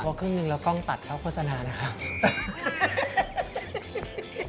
พอครึ่งนึงเราก้องตัดแค่ว่าโฟสนานะครับ